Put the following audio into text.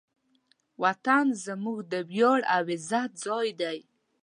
وطن زموږ د ویاړ او عزت ځای دی.